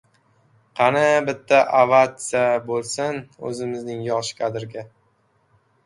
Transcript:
— Qani, bitta avatsiya bo‘lsin, o‘zimizning yosh kadrga!..